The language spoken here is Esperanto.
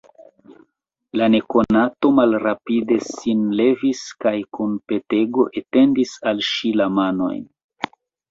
La nekonato malrapide sin levis kaj kun petego etendis al ŝi la manojn.